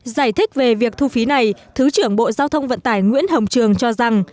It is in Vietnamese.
giải thích về việc thu phí này thứ trưởng bộ giao thông vận tải nguyễn hồng trường cho rằng